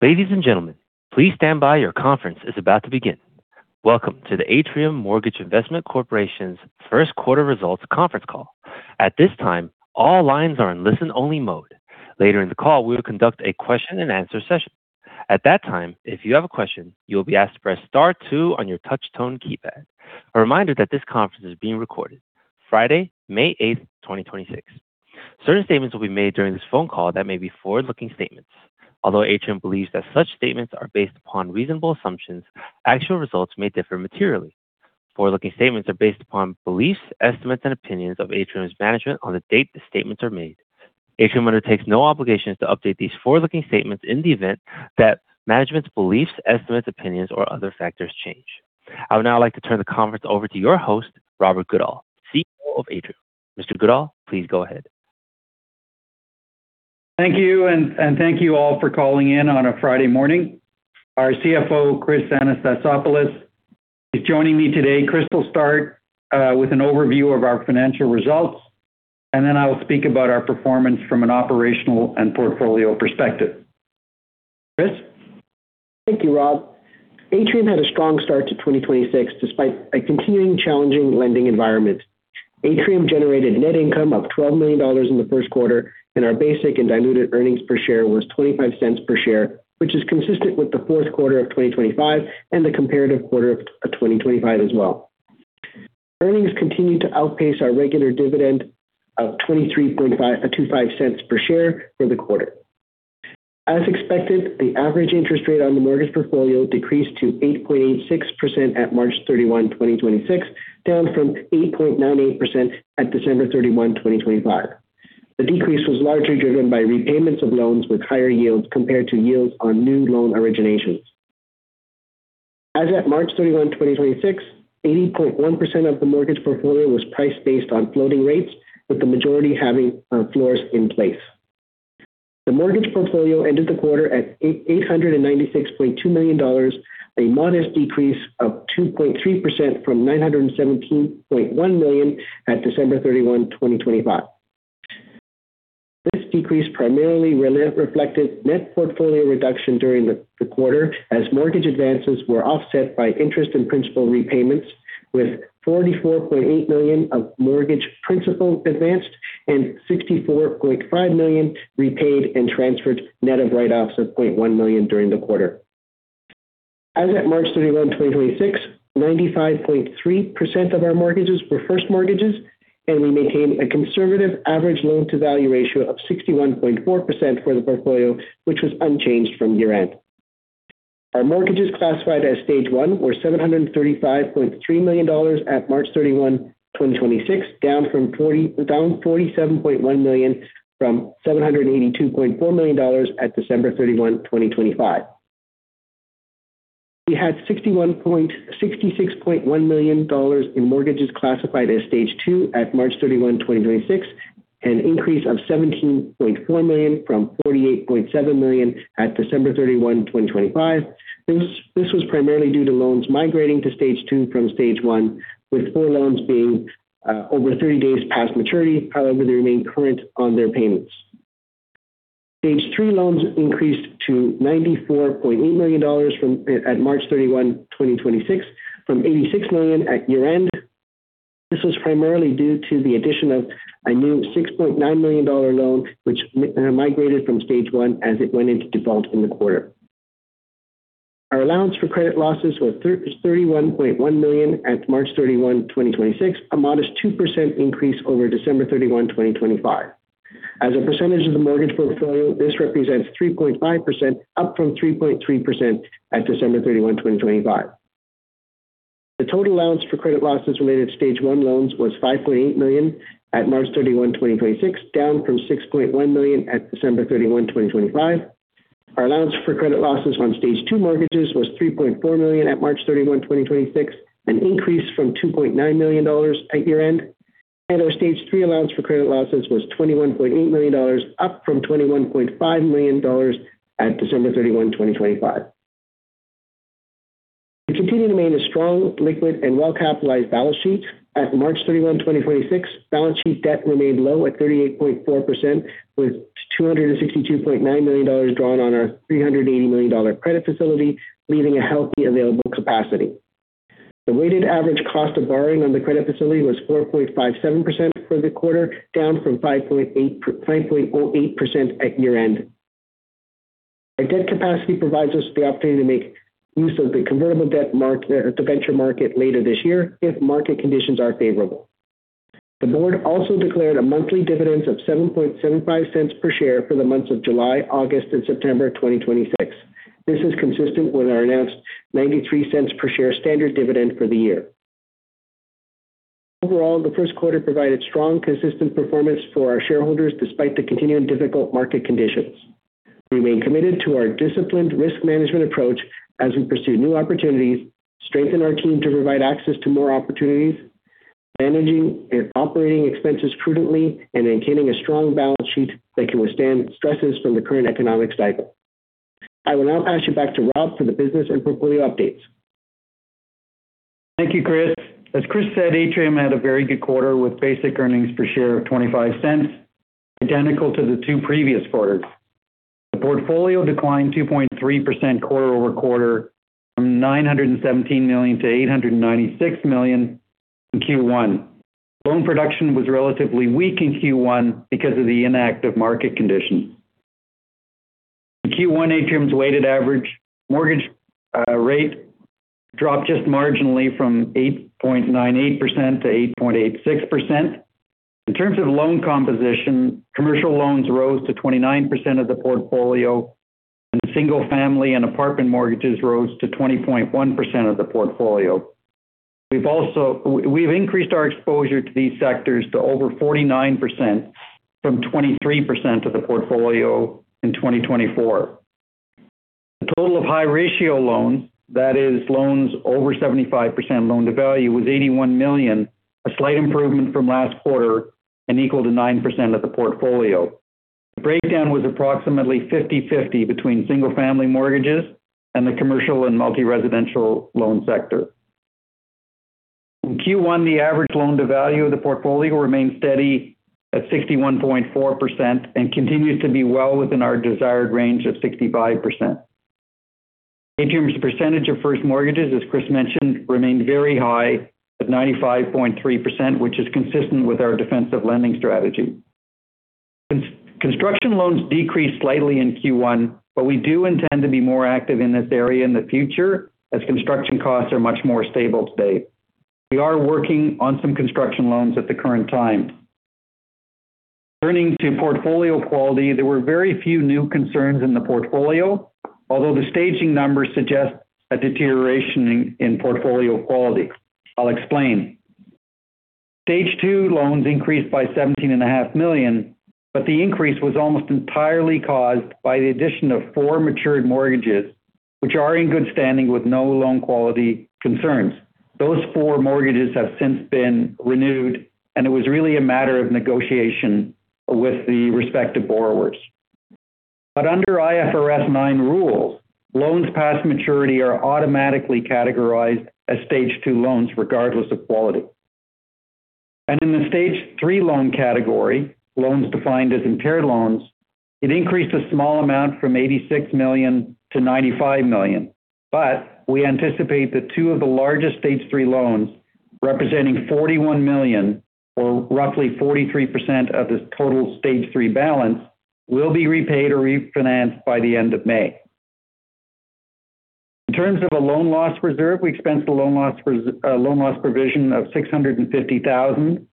Welcome to the Atrium Mortgage Investment Corporation's first quarter results conference call. Friday, May 8th, 2026. Certain statements will be made during this phone call that may be forward-looking statements. Although Atrium believes that such statements are based upon reasonable assumptions, actual results may differ materially. Forward-looking statements are based upon beliefs, estimates, and opinions of Atrium's management on the date the statements are made. Atrium undertakes no obligations to update these forward-looking statements in the event that management's beliefs, estimates, opinions, or other factors change. I would now like to turn the conference over to your host, Robert Goodall, CEO of Atrium. Mr. Goodall, please go ahead. Thank you, and thank you all for calling in on a Friday morning. Our CFO, Chris Anastasopoulos, is joining me today. Chris will start with an overview of our financial results, and then I will speak about our performance from an operational and portfolio perspective. Chris? Thank you, Rob. Atrium had a strong start to 2026 despite a continuing challenging lending environment. Atrium generated net income of 12 million dollars in the first quarter, and our basic and diluted earnings per share was 0.25 per share, which is consistent with the fourth quarter of 2025 and the comparative quarter of 2025 as well. Earnings continued to outpace our regular dividend of 0.235 per share for the quarter. As expected, the average interest rate on the mortgage portfolio decreased to 8.86% at March 31, 2026, down from 8.98% at December 31, 2025. The decrease was largely driven by repayments of loans with higher yields compared to yields on new loan originations. As at March 31, 2026, 80.1% of the mortgage portfolio was priced based on floating rates, with the majority having floors in place. The mortgage portfolio ended the quarter at 896.2 million dollars, a modest decrease of 2.3% from 917.1 million at December 31, 2025. This decrease primarily reflected net portfolio reduction during the quarter as mortgage advances were offset by interest and principal repayments, with 44.8 million of mortgage principal advanced and 64.5 million repaid and transferred net of write-offs of 0.1 million during the quarter. As at March 31, 2026, 95.3% of our mortgages were first mortgages, and we maintained a conservative average loan-to-value ratio of 61.4% for the portfolio, which was unchanged from year-end. Our mortgages classified as Stage 1 were 735.3 million dollars at March 31, 2026, down 47.1 million from 782.4 million dollars at December 31, 2025. We had 66.1 million dollars in mortgages classified as Stage 2 at March 31, 2026, an increase of 17.4 million from 48.7 million at December 31, 2025. This was primarily due to loans migrating to Stage 2 from Stage 1, with four loans being over 30 days past maturity. However, they remain current on their payments. Stage 3 loans increased to 94.8 million dollars at March 31, 2026, from 86 million at year-end. This was primarily due to the addition of a new 6.9 million dollar loan which migrated from Stage 1 as it went into default in the quarter. Our allowance for credit losses was 31.1 million at March 31, 2026, a modest 2% increase over December 31, 2025. As a percentage of the mortgage portfolio, this represents 3.5%, up from 3.3% at December 31, 2025. The total allowance for credit losses related to Stage 1 loans was 5.8 million at March 31, 2026, down from 6.1 million at December 31, 2025. Our allowance for credit losses on Stage 2 mortgages was 3.4 million at March 31, 2026, an increase from CAD 2.9 million at year-end. Our Stage 3 allowance for credit losses was CAD 21.8 million, up from CAD 21.5 million at December 31, 2025. We continue to maintain a strong liquid and well-capitalized balance sheet. At March 31, 2026, balance sheet debt remained low at 38.4% with 262.9 million dollars drawn on our 380 million dollar credit facility, leaving a healthy available capacity. The weighted average cost of borrowing on the credit facility was 4.57% for the quarter, down from 5.08% at year-end. Our debt capacity provides us the opportunity to make use of the convertible debt market, debenture market later this year if market conditions are favorable. The board also declared a monthly dividend of 0.0775 per share for the months of July, August, and September 2026. This is consistent with our announced 0.93 per share standard dividend for the year. Overall, the first quarter provided strong, consistent performance for our shareholders despite the continuing difficult market conditions. We remain committed to our disciplined risk management approach as we pursue new opportunities, strengthen our team to provide access to more opportunities, managing and operating expenses prudently, and maintaining a strong balance sheet that can withstand stresses from the current economic cycle. I will now pass you back to Rob for the business and portfolio updates. Thank you, Chris. As Chris said, Atrium had a very good quarter with basic earnings per share of 0.25, identical to the two previous quarters. The portfolio declined 2.3% quarter-over-quarter from 917 million to 896 million in Q1. Loan production was relatively weak in Q1 because of the inactive market conditions. In Q1, Atrium's weighted average mortgage rate dropped just marginally from 8.98% to 8.86%. In terms of loan composition, commercial loans rose to 29% of the portfolio, and single-family and apartment mortgages rose to 20.1% of the portfolio. We've also increased our exposure to these sectors to over 49% from 23% of the portfolio in 2024. The total of high-ratio loans, that is loans over 75% loan-to-value, was 81 million, a slight improvement from last quarter and equal to 9% of the portfolio. The breakdown was approximately 50/50 between single-family mortgages and the commercial and multi-residential loan sector. In Q1, the average loan-to-value of the portfolio remained steady at 61.4% and continues to be well within our desired range of 65%. Atrium's percentage of first mortgages, as Chris mentioned, remained very high at 95.3%, which is consistent with our defensive lending strategy. Construction loans decreased slightly in Q1, we do intend to be more active in this area in the future as construction costs are much more stable today. We are working on some construction loans at the current time. Turning to portfolio quality, there were very few new concerns in the portfolio, although the staging numbers suggest a deterioration in portfolio quality. I'll explain. Stage 2 loans increased by 17.5 million, the increase was almost entirely caused by the addition of four matured mortgages, which are in good standing with no loan quality concerns. Those four mortgages have since been renewed, it was really a matter of negotiation with the respective borrowers. Under IFRS 9 rules, loans past maturity are automatically categorized as Stage 2 loans regardless of quality. In the Stage 3 loan category, loans defined as impaired loans, it increased a small amount from 86 million to 95 million. We anticipate that two of the largest Stage 3 loans, representing 41 million or roughly 43% of the total Stage 3 balance, will be repaid or refinanced by the end of May. In terms of a loan loss reserve, we expensed a loan loss provision of 650,000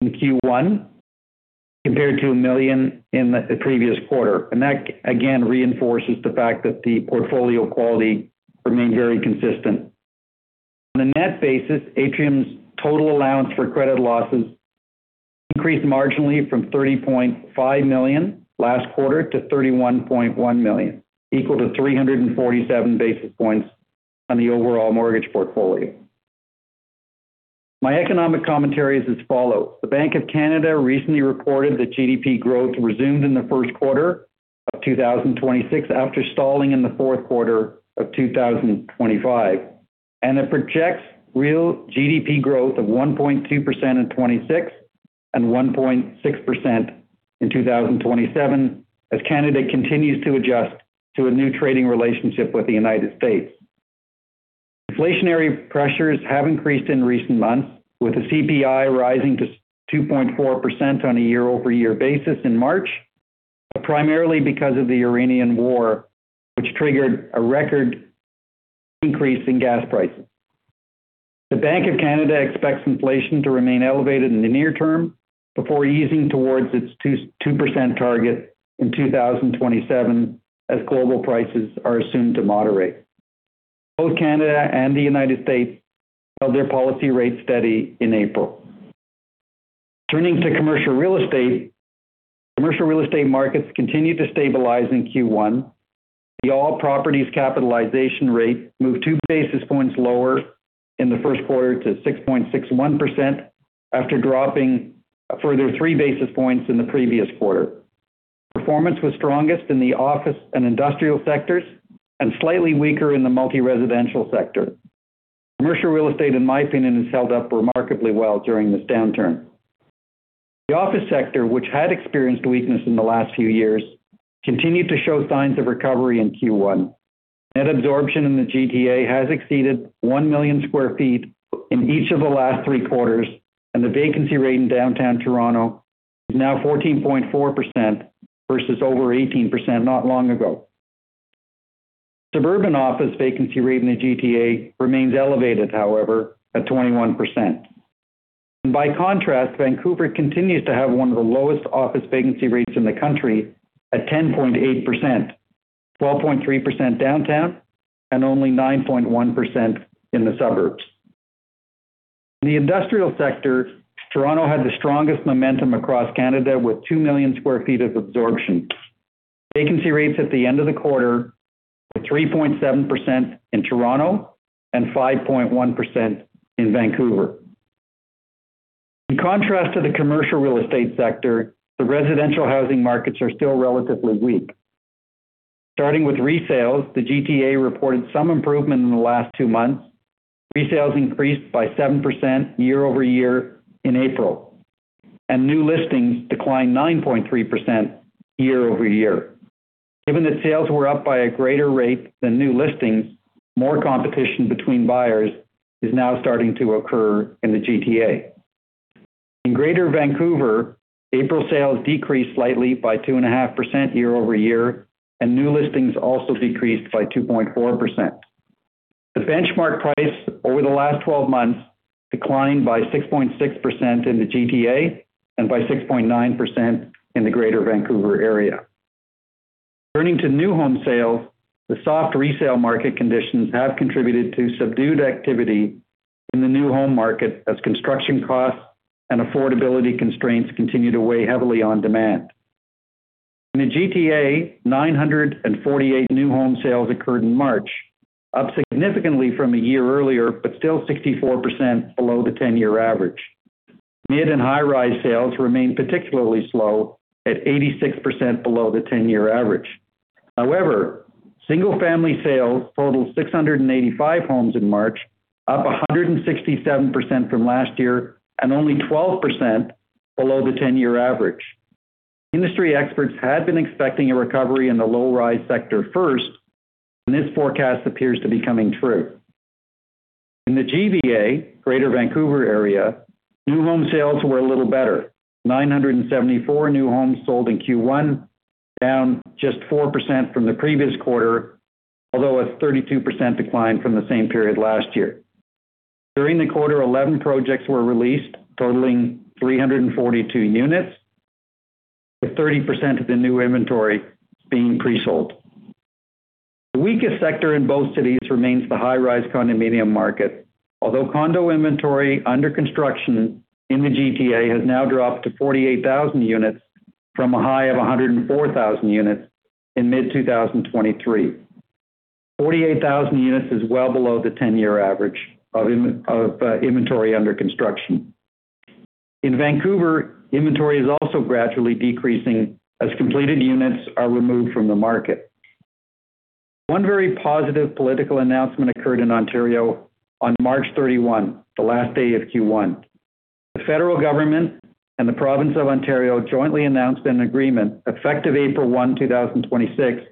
in Q1 compared to 1 million in the previous quarter. That, again, reinforces the fact that the portfolio quality remained very consistent. On a net basis, Atrium's total allowance for credit losses increased marginally from 30.5 million last quarter to 31.1 million, equal to 347 basis points on the overall mortgage portfolio. My economic commentary is as follows. The Bank of Canada recently reported that GDP growth resumed in the first quarter of 2026 after stalling in the fourth quarter of 2025. It projects real GDP growth of 1.2% in 2026 and 1.6% in 2027 as Canada continues to adjust to a new trading relationship with the United States. Inflationary pressures have increased in recent months, with the CPI rising to 2.4% on a year-over-year basis in March, but primarily because of the Iranian war, which triggered a record increase in gas prices. The Bank of Canada expects inflation to remain elevated in the near term before easing towards its 2% target in 2027 as global prices are assumed to moderate. Both Canada and the United States held their policy rates steady in April. Turning to commercial real estate, commercial real estate markets continued to stabilize in Q1. The all properties capitalization rate moved 2 basis points lower in the first quarter to 6.61% after dropping a further 3 basis points in the previous quarter. Performance was strongest in the office and industrial sectors and slightly weaker in the multi-residential sector. Commercial real estate, in my opinion, has held up remarkably well during this downturn. The office sector, which had experienced weakness in the last few years, continued to show signs of recovery in Q1. Net absorption in the GTA has exceeded 1 million sq ft in each of the last three quarters, and the vacancy rate in downtown Toronto is now 14.4% versus over 18% not long ago. Suburban office vacancy rate in the GTA remains elevated, however, at 21%. By contrast, Vancouver continues to have one of the lowest office vacancy rates in the country at 10.8%, 12.3% downtown, and only 9.1% in the suburbs. In the industrial sector, Toronto had the strongest momentum across Canada with 2 million sq ft of absorption. Vacancy rates at the end of the quarter were 3.7% in Toronto and 5.1% in Vancouver. In contrast to the commercial real estate sector, the residential housing markets are still relatively weak. Starting with resales, the GTA reported some improvement in the last two months. Resales increased by 7% year-over-year in April, and new listings declined 9.3% year-over-year. Given that sales were up by a greater rate than new listings, more competition between buyers is now starting to occur in the GTA. In Greater Vancouver, April sales decreased slightly by 2.5% year-over-year, and new listings also decreased by 2.4%. The benchmark price over the last 12 months declined by 6.6% in the GTA and by 6.9% in the Greater Vancouver area. Turning to new home sales, the soft resale market conditions have contributed to subdued activity in the new home market as construction costs and affordability constraints continue to weigh heavily on demand. In the GTA, 948 new home sales occurred in March, up significantly from a year earlier, but still 64% below the 10-year average. Mid and high-rise sales remain particularly slow at 86% below the 10-year average. Single-family sales totaled 685 homes in March, up 167% from last year and only 12% below the 10-year average. Industry experts had been expecting a recovery in the low-rise sector first, and this forecast appears to be coming true. In the GVA, Greater Vancouver area, new home sales were a little better. 974 new homes sold in Q1, down just 4% from the previous quarter, although a 32% decline from the same period last year. During the quarter, 11 projects were released, totaling 342 units, with 30% of the new inventory being pre-sold. The weakest sector in both cities remains the high-rise condominium market. Although condo inventory under construction in the GTA has now dropped to 48,000 units from a high of 104,000 units in mid-2023. 48,000 units is well below the 10-year average of inventory under construction. In Vancouver, inventory is also gradually decreasing as completed units are removed from the market. One very positive political announcement occurred in Ontario on March 31, the last day of Q1. The federal government and the province of Ontario jointly announced an agreement effective April 1, 2026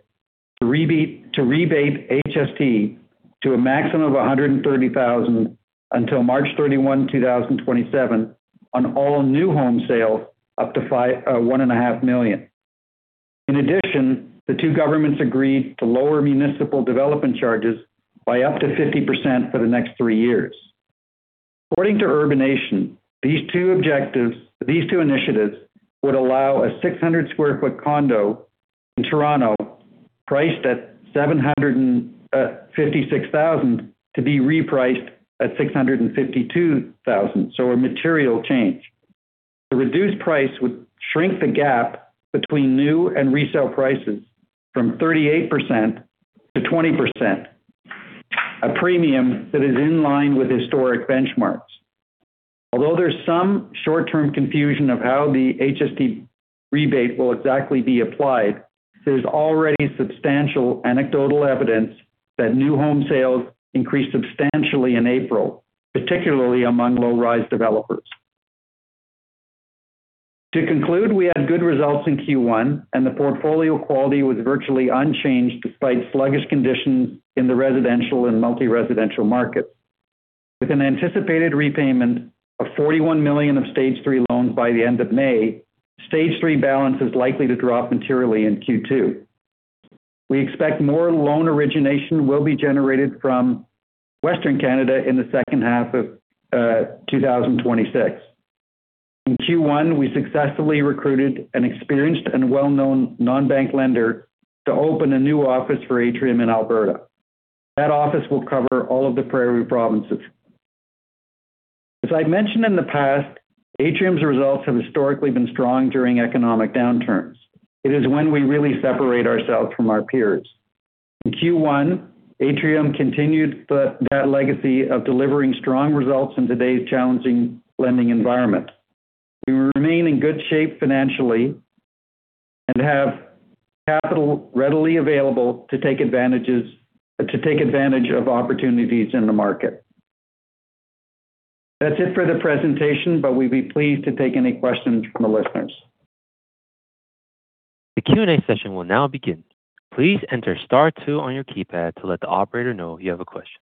to rebate HST to a maximum of 130,000 until March 31, 2027 on all new home sales up to 1.5 Million. In addition, the two governments agreed to lower municipal development charges by up to 50% for the next three years. According to Urbanation, these two initiatives would allow a 600 sq ft condo in Toronto priced at 756,000 to be repriced at 652,000, so a material change. The reduced price would shrink the gap between new and resale prices from 38% to 20%, a premium that is in line with historic benchmarks. Although there's some short-term confusion of how the HST rebate will exactly be applied, there's already substantial anecdotal evidence that new home sales increased substantially in April, particularly among low-rise developers. To conclude, we had good results in Q1, and the portfolio quality was virtually unchanged despite sluggish conditions in the residential and multi-residential markets. With an anticipated repayment of 41 million of Stage 3 loans by the end of May, Stage 3 balance is likely to drop materially in Q2. We expect more loan origination will be generated from Western Canada in the second half of 2026. In Q1, we successfully recruited an experienced and well-known non-bank lender to open a new office for Atrium in Alberta. That office will cover all of the Prairie Provinces. As I mentioned in the past, Atrium's results have historically been strong during economic downturns. It is when we really separate ourselves from our peers. In Q1, Atrium continued that legacy of delivering strong results in today's challenging lending environment. We remain in good shape financially and have capital readily available to take advantage of opportunities in the market. That's it for the presentation, but we'd be pleased to take any questions from the listeners. The Q&A session will now begin. Please enter star two on your keypad to let the operator know you have a question.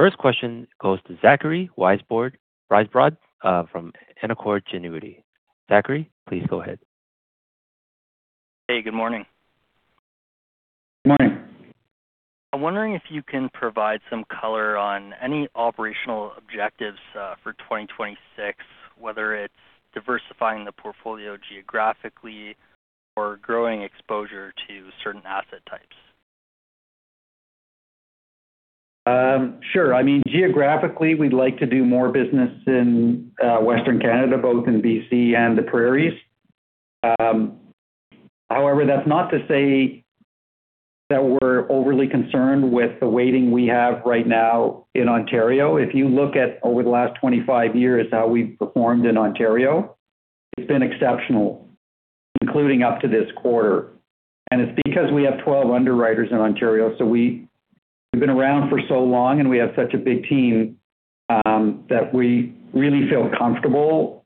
First question goes to Zachary Weisbrod from Canaccord Genuity. Zachary, please go ahead. Hey, good morning. Good morning. I'm wondering if you can provide some color on any operational objectives, for 2026, whether it's diversifying the portfolio geographically or growing exposure to certain asset types. Sure. I mean, geographically, we'd like to do more business in Western Canada, both in B.C. and the prairies. However, that's not to say that we're overly concerned with the weighting we have right now in Ontario. If you look at over the last 25 years how we've performed in Ontario, it's been exceptional, including up to this quarter. It's because we have 12 underwriters in Ontario, so we've been around for so long and we have such a big team that we really feel comfortable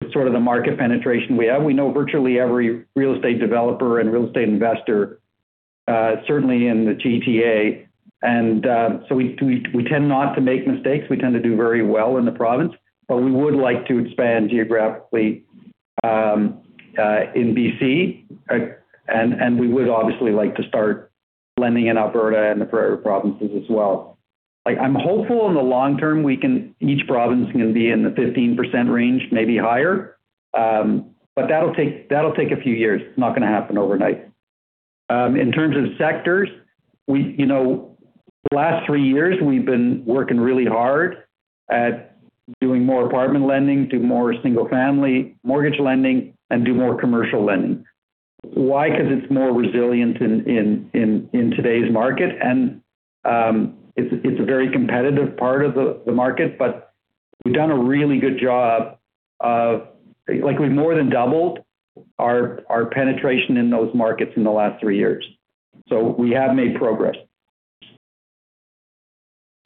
with sort of the market penetration we have. We know virtually every real estate developer and real estate investor, certainly in the GTA. So we tend not to make mistakes. We tend to do very well in the province. We would like to expand geographically in B.C. We would obviously like to start lending in Alberta and the prairie provinces as well. Like, I'm hopeful in the long term each province can be in the 15% range, maybe higher. That'll take a few years. It's not gonna happen overnight. In terms of sectors, we, you know, the last three years we've been working really hard at doing more apartment lending, do more single-family mortgage lending, and do more commercial lending. Why? 'Cause it's more resilient in today's market and it's a very competitive part of the market. We've done a really good job of Like, we've more than doubled our penetration in those markets in the last three years. We have made progress.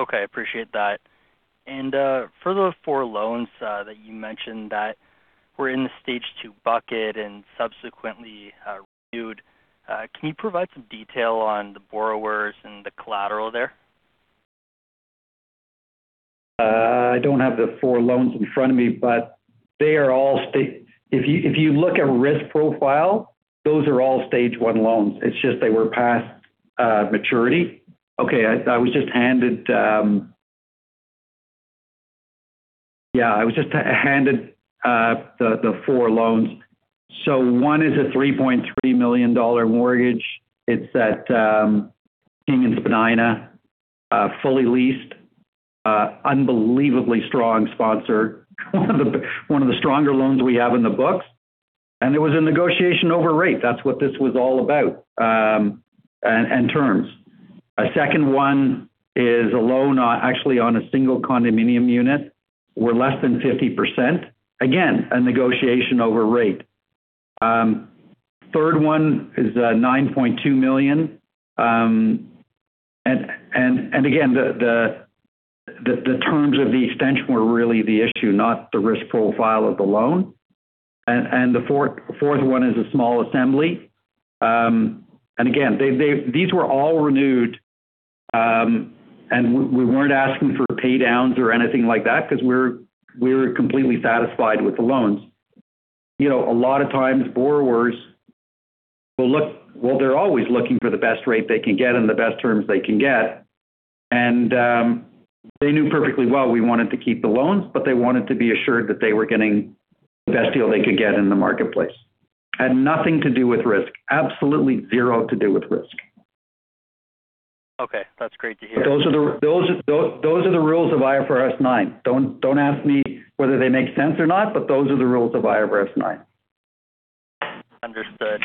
Okay. Appreciate that. For those four loans that you mentioned that were in the Stage 2 bucket and subsequently renewed, can you provide some detail on the borrowers and the collateral there? I don't have the four loans in front of me, but they are all If you, if you look at risk profile, those are all Stage 1 loans. It's just they were past maturity. I was just handed the four loans. One is a 3.3 million dollar mortgage. It's at King and Spadina, fully leased. Unbelievably strong sponsor. One of the stronger loans we have in the books. There was a negotiation over rate, that's what this was all about, and terms. A second one is a loan, actually on a single condominium unit. We're less than 50%. Again, a negotiation over rate. Third one is CAD 9.2 million. Again, the terms of the extension were really the issue, not the risk profile of the loan. The fourth one is a small assembly. Again, these were all renewed, and we weren't asking for pay downs or anything like that 'cause we're completely satisfied with the loans. You know, a lot of times borrowers will look. Well, they're always looking for the best rate they can get and the best terms they can get. They knew perfectly well we wanted to keep the loans, but they wanted to be assured that they were getting the best deal they could get in the marketplace. Had nothing to do with risk. Absolutely zero to do with risk. Okay. That's great to hear. Those are the rules of IFRS 9. Don't ask me whether they make sense or not, those are the rules of IFRS 9. Understood.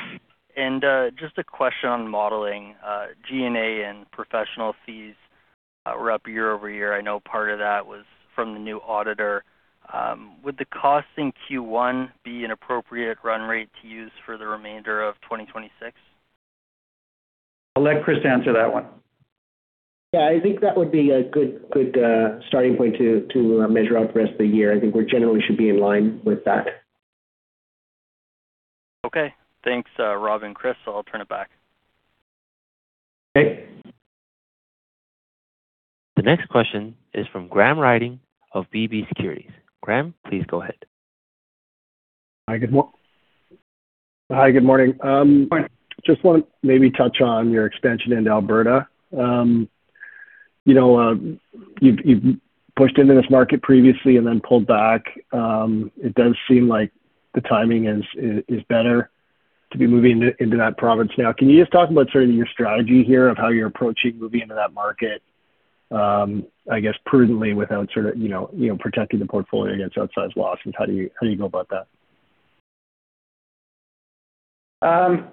Just a question on modeling. G&A and professional fees were up year-over-year. I know part of that was from the new auditor. Would the cost in Q1 be an appropriate run rate to use for the remainder of 2026? I'll let Chris answer that one. Yeah. I think that would be a good starting point to measure out the rest of the year. I think we generally should be in line with that. Okay. Thanks, Rob and Chris. I'll turn it back. Okay. The next question is from Graham Ryding of TD Securities. Graham, please go ahead. Hi, good morning. Morning I want to maybe touch on your expansion into Alberta. You know, you've pushed into this market previously and then pulled back. It does seem like the timing is better to be moving into that province now. Can you just talk about sort of your strategy here of how you're approaching moving into that market, I guess prudently without sort of, you know, protecting the portfolio against outsized loss, and how do you go about that? Yeah.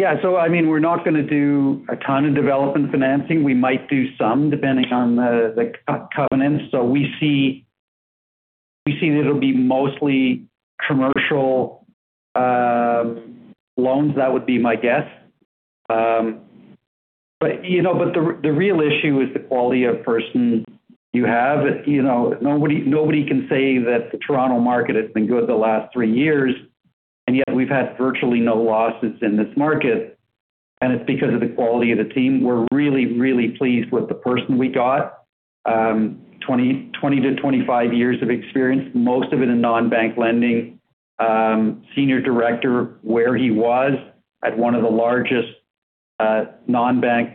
I mean, we're not gonna do a ton of development financing. We might do some depending on the co-covenants. We see that it'll be mostly commercial loans. That would be my guess. You know, the real issue is the quality of person you have. You know, nobody can say that the Toronto market has been good the last three years, and yet we've had virtually no losses in this market, and it's because of the quality of the team. We're really pleased with the person we got. 20-25 years of experience, most of it in non-bank lending. Senior director where he was at one of the largest non-bank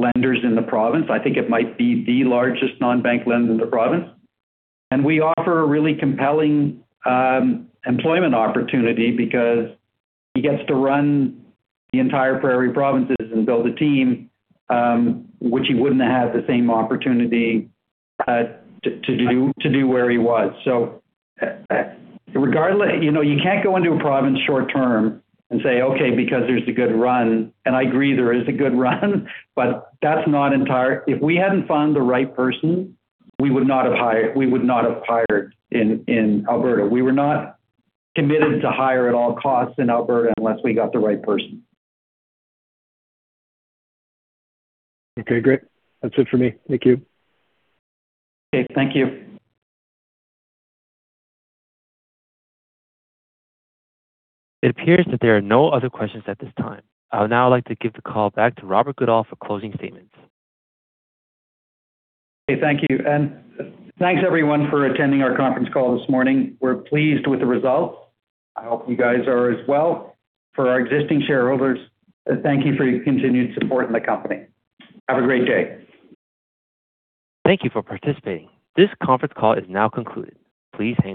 lenders in the province. I think it might be the largest non-bank lender in the province. We offer a really compelling employment opportunity because he gets to run the entire prairie provinces and build a team, which he wouldn't have the same opportunity to do where he was. Regardless, you know, you can't go into a province short term and say, "Okay." because there's a good run. I agree, there is a good run, but that's not entire If we hadn't found the right person, we would not have hired in Alberta. We were not committed to hire at all costs in Alberta unless we got the right person. Okay, great. That's it for me. Thank you. Okay. Thank you. It appears that there are no other questions at this time. I would now like to give the call back to Robert Goodall for closing statements. Okay. Thank you. Thanks everyone for attending our conference call this morning. We're pleased with the results. I hope you guys are as well. For our existing shareholders, thank you for your continued support in the company. Have a great day. Thank you for participating. This conference call is now concluded. Please hang up.